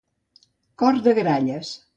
Cor de gralles.